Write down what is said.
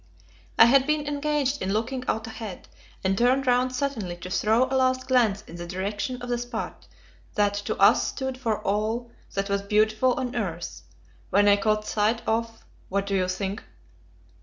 I had been engaged in looking out ahead, and turned round suddenly to throw a last glance in the direction of the spot that to us stood for all that was beautiful on earth, when I caught sight of what do you think?